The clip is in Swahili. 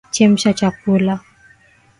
Chemsha chakula.